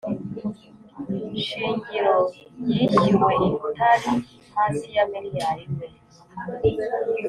shingiro yishyuwe itari hasi ya miriyari imwe